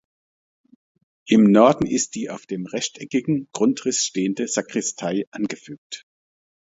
Im Norden ist die auf rechteckigem Grundriss stehende Sakristei angefügt.